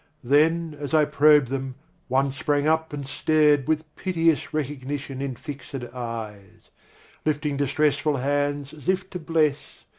Then, as I probed them, one sprang up, and stared With piteous recognition in fixed eyes, Lifting distressful hands as if to bless.